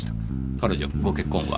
彼女ご結婚は？